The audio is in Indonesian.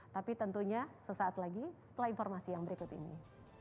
tapi tentunya sesaat lagi setelah informasi yang berikut ini